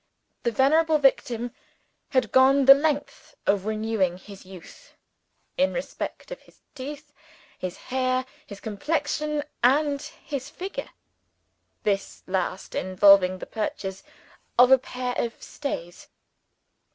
The venerable victim had gone the length of renewing his youth, in respect of his teeth, his hair, his complexion, and his figure (this last involving the purchase of a pair of stays).